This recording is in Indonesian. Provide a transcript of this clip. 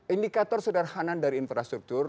indikator sederhanan dari infrastruktur